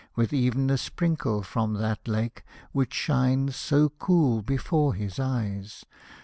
With ev'n a sprinkle from that lake. Which shines so cool before his eyes.